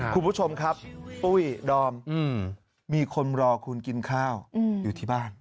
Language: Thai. คุณผู้ชมครับปุ้ยดอมมีคนรอคุณกินข้าวอยู่ที่บ้าน